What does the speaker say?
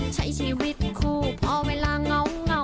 ใช้ชีวิตคู่พอเวลาเงา